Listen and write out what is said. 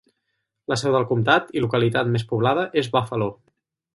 La seu del comtat i localitat més poblada és Buffalo.